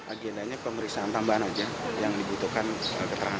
agendanya pemeriksaan tambahan aja yang dibutuhkan keterangan